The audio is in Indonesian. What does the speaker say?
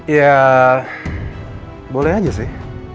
ya boleh aja sih